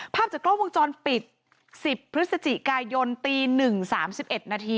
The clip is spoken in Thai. ภาพจากโลกวงจรปิด๑๐พฤศจิกายนตี๐๑๓๑น